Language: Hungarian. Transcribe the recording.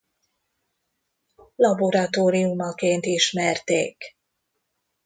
Laboratóriumaként ismerték.